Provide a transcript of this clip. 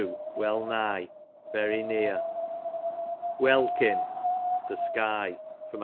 well nigh, very near. Welkin, the sky. A.